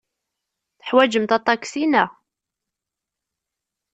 Teḥwajemt aṭaksi, naɣ?